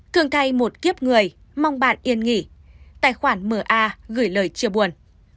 thường thay một kiếp người mong bạn yên nghỉ tài khoản m a gửi lời chia buồn